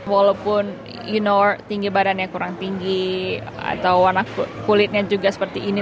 walaupun inore tinggi badannya kurang tinggi atau kulitnya juga seperti ini